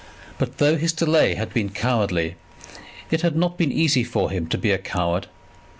But though his delay had been cowardly, it had not been easy to him to be a coward.